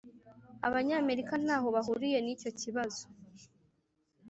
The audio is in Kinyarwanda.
abanyamerika ntaho bahuriye nicyo kibazo.